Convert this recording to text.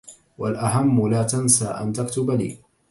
والأهم، لا تنسى أن تكتب لي.